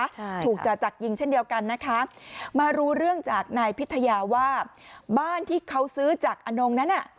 ใช่ถูกจ่าจักรยิงเช่นเดียวกันนะคะมารู้เรื่องจากนายพิทยาว่าบ้านที่เขาซื้อจากอนงนั้นอ่ะ